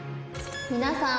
「皆さん！